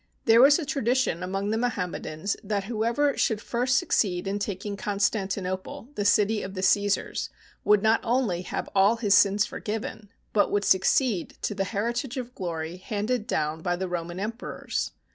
There was a tradition among the Mohammedans that whoever should first succeed in taking Con stantinople, the city of the Ca?sars, would not only have all his sins forgiven, but would succeed to the heritage of glory handed down by the Roman emperors.